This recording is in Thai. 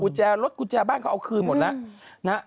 แจรถกุญแจบ้านเขาเอาคืนหมดแล้วนะฮะ